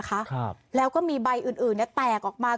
ปลูกมะพร้าน้ำหอมไว้๑๐ต้น